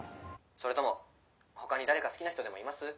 それとも他に誰か好きな人でもいます？